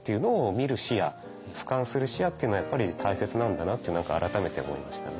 見る視野俯瞰する視野っていうのはやっぱり大切なんだなって改めて思いましたね。